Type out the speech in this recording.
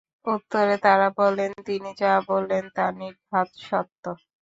উত্তরে তারা বলেন, তিনি যা বললেন, তা নির্ঘাত সত্য।